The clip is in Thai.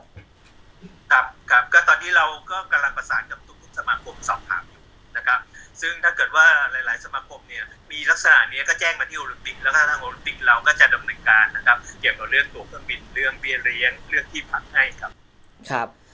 ครับครับก็ตอนนี้เราก็กำลังประสานกับทุกสมาคมสอบถามอยู่นะครับซึ่งถ้าเกิดว่าหลายหลายสมาคมเนี่ยมีลักษณะเนี้ยก็แจ้งมาที่โอลิมปิกแล้วก็ทางโอลิมปิกเราก็จะดำเนินการนะครับเกี่ยวกับเรื่องตัวเครื่องบินเรื่องเบี้ยเลี้ยงเรื่องที่พักให้ครับ